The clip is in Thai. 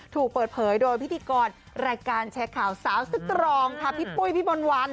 ถูกเปิดเผยโดยพิธีกรรายการแชร์ข่าวสาวสตรองค่ะพี่ปุ้ยพี่มนต์วัน